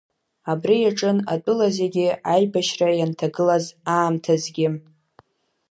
Абри иаҿын атәыла зегьы аибашьра ианҭагылаз аамҭазгьы.